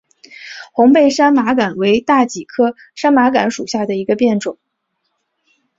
红背山麻杆为大戟科山麻杆属下的一个变种。